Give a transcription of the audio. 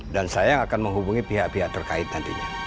dan saya yang akan menghubungi pihak pihak terkait nantinya